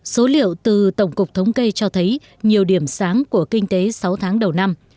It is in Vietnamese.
số liệu từ tổng cục thống kê cho thấy nhiều điểm sáng của kinh tế sáu tháng đầu năm